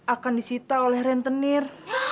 akan disita oleh rentenir